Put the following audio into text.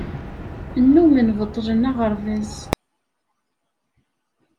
Nnummen beṭṭlen aɣerbaz.